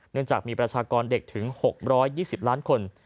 จากมีประชากรเด็กถึง๖๒๐ล้านคน